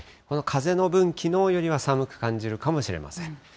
この風の分、きのうよりは寒く感じるかもしれません。